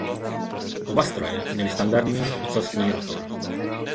Oba stroje měly standardní ocasní rotor.